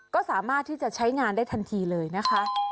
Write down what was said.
ก็สามารถที่จะใช้งานได้ทันทีเลยนะคะ